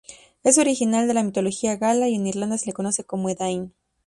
Es original de la mitología gala, y en Irlanda se le conoce como Edain.